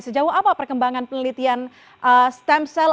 sejauh apa perkembangan penelitian stem cell